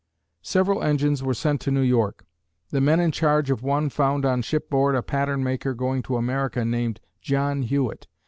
Several engines were sent to New York. The men in charge of one found on shipboard a pattern maker going to America named John Hewitt.